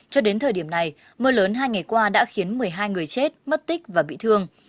cho đến thời điểm này mưa lớn hai ngày qua đã khiến một mươi hai người chết mất tích và bị thương